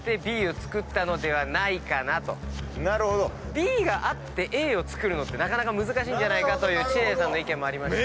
ＢがあってＡを作るのって難しいんじゃないかという知念さんの意見もありまして。